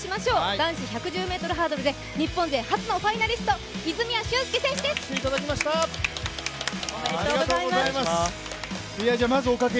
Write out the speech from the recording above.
男子１１０ｍハードルで日本勢初のファイナリスト、泉谷駿介選手ですおめでとうございます。